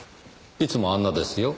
いつもあんなですよ。